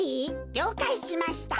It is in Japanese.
りょうかいしました。